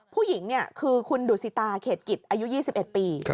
ผู้หญิงคือคุณดูสิตาเขตกิจอายุ๒๑ปี